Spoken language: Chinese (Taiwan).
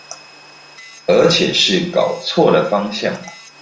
而且是搞錯了方向